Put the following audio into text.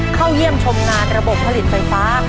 เข้าเยี่ยมชมงานระบบผลิตไฟฟ้า